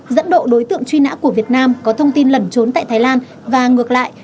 dẫn độ đối tượng truy nã của việt nam có thông tin lẩn trốn tại thái lan và ngược lại